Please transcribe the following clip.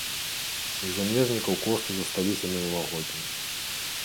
Для замежнікаў кошты засталіся мінулагоднія.